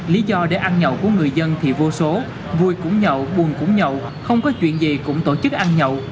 lý do để ăn nhậu của người dân thì vô số vui cũng nhậu buồn cũng nhậu không có chuyện gì cũng tổ chức ăn nhậu